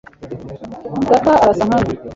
data arasa nkanjye